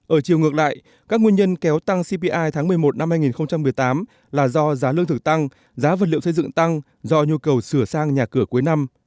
ở chiều ngược lại các nguyên nhân kéo tăng cpi tháng một mươi một năm hai nghìn một mươi tám là do giá lương thực tăng giá vật liệu xây dựng tăng do nhu cầu sửa sang nhà cửa cuối năm